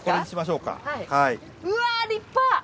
うわぁ立派。